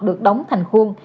được đóng thành khuôn